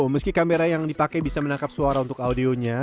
meski kamera yang dipakai bisa menangkap suara untuk audionya